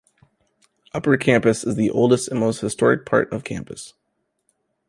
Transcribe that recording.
Upper Campus is the oldest and most historic part of campus.